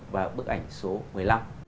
và bức ảnh số một mươi năm